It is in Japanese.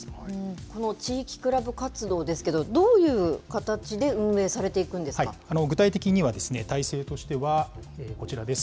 この地域クラブ活動ですけれども、どういう形で運営されてい具体的には、体制としてはこちらです。